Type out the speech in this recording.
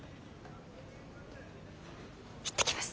行ってきます。